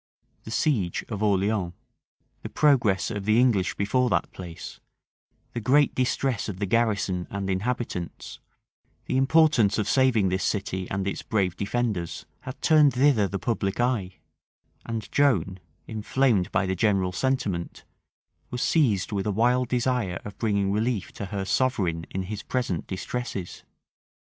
The siege of Orleans, the progress of the English before that place, the great distress of the garrison and inhabitants, the importance of saving this city and its brave defenders, had turned thither the public eye; and Joan, inflamed by the general sentiment, was seized with a wild desire of bringing relief to her sovereign in his present distresses.